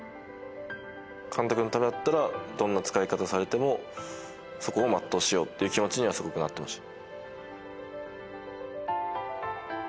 監督のためだったらどんな使い方をされてもそこを全うしようっていう気持ちにはすごくなってました。